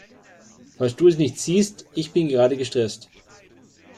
Falls du es nicht siehst: Ich bin gerade gestresst.